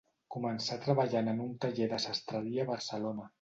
Començà treballant en un taller de sastreria a Barcelona.